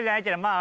あ